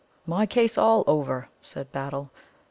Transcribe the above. "My case all over," said Battle.